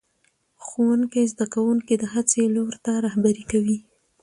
ښوونکی زده کوونکي د هڅې لور ته رهبري کوي